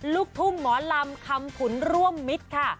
ลูกทุ่งหมอลำคำขุนร่วมมิตรค่ะ